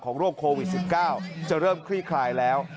โรคโควิด๑๙จะเริ่มคลี่คลายแล้ว